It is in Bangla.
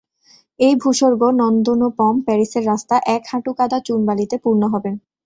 এই ভূস্বর্গ, নন্দনোপম প্যারিসের রাস্তা এক হাঁটু কাদা চুন বালিতে পূর্ণ হবেন।